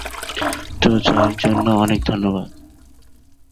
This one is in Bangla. তো, চায়ের জন্য অনেক ধন্যবাদ।